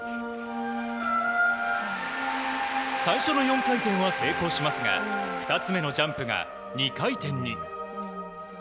最初の４回転は成功しますが２つ目のジャンプが２回転に。